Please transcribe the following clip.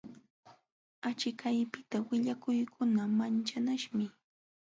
Achikaypiqta willakuykuna manchanaśhmi.